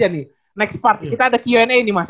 next part kita ada qna nih mas